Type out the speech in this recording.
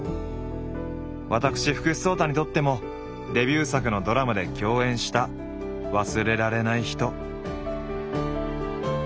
私福士蒼汰にとってもデビュー作のドラマで共演した忘れられない人。